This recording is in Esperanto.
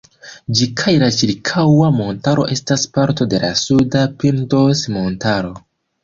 Ĝi kaj la ĉirkaŭa montaro estas parto de la suda "Pindos"-montaro.